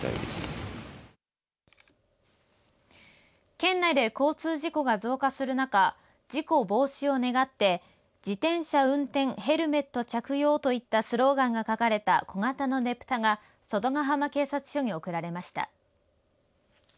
県内で交通事故が増加する中事故防止を願って自転車運転ヘルメット着用といったスローガンが書かれた小型のねぷたが外ヶ浜警察署に送られました。